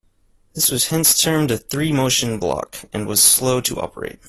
This was hence termed a "three motion block" and was slow to operate.